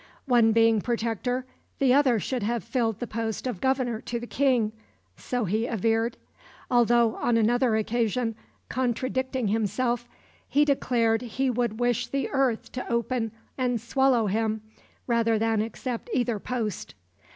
One being Protector, the other should have filled the post of Governor to the King, so he averred; although, on another occasion, contradicting himself, he declared he would wish the earth to open and swallow him rather than accept either post.